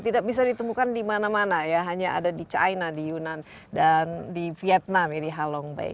tidak bisa ditemukan dimana mana ya hanya ada di china di yunan dan di vietnam ini halong bayi